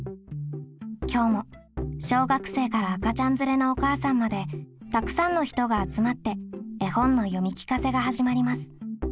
今日も小学生から赤ちゃん連れのお母さんまでたくさんの人が集まって絵本の読み聞かせが始まります。